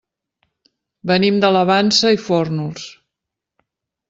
Venim de la Vansa i Fórnols.